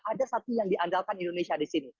ada satu yang diandalkan indonesia di sini